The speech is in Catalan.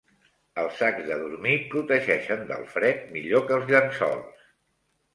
Els sacs de dormir protegeixen del fred millor que els llençols.